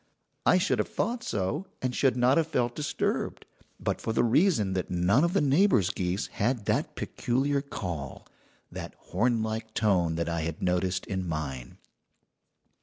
"I should have thought so, and should not have felt disturbed, but for the reason that none of the neighbours' geese had that peculiar call that hornlike tone that I had noticed in mine.